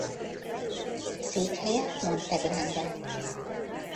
Székhelye Monte Grande.